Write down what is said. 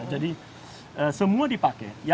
jadi semua dipakai